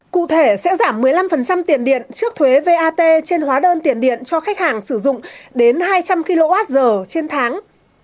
cụ thể sẽ giảm một mươi năm tiền điện trước thuế vat trên hóa đơn tiền điện cho khách hàng sử dụng đến hai trăm linh kwh trên tháng